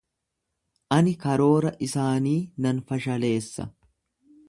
Ani karoora isaanii nan fashaleessa.